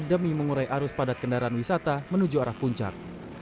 demi mengurai arus padat kendaraan wisata menuju arah puncak